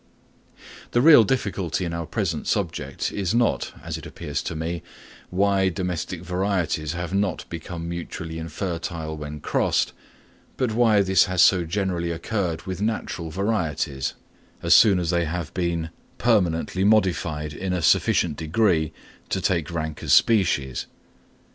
The real difficulty in our present subject is not, as it appears to me, why domestic varieties have not become mutually infertile when crossed, but why this has so generally occurred with natural varieties, as soon as they have been permanently modified in a sufficient degree to take rank as species.